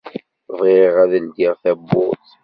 Bɣiɣ ad ldiɣ tawwurt.